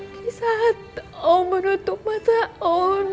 disaat om menutup mata om